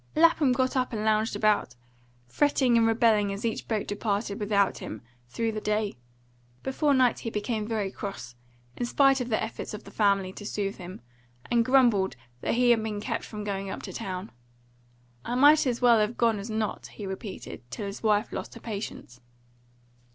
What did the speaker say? Lapham got up and lounged about, fretting and rebelling as each boat departed without him, through the day; before night he became very cross, in spite of the efforts of the family to soothe him, and grumbled that he had been kept from going up to town. "I might as well have gone as not," he repeated, till his wife lost her patience.